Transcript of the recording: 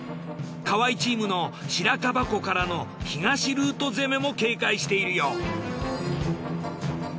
河合チームの白樺湖からの東ルート攻めも警戒しているよう。